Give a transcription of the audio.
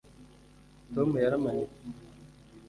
Tom yaramanitse